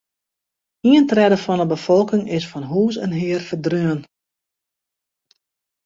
Ien tredde fan de befolking is fan hûs en hear ferdreaun.